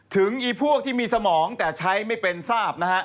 ถึงไอพวกที่มีสมองแต่ใช้ไม่เป็นทราบ